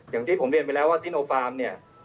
อย่างที่ผมเรียนไปแล้วว่าซิโนฟาร์มเนี่ย